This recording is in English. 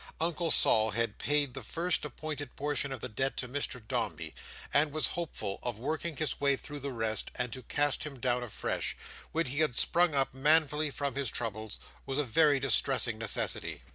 Uncle Sol had paid the first appointed portion of the debt to Mr Dombey, and was hopeful of working his way through the rest; and to cast him down afresh, when he had sprung up so manfully from his troubles, was a very distressing necessity.